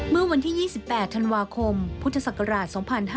เมื่อวันที่๒๘ธันวาคมพุทธศักราช๒๕๕๙